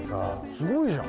すごいじゃん。